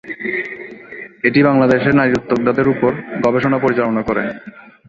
এটি বাংলাদেশের নারী উদ্যোক্তাদের ওপর গবেষণা পরিচালনা করে।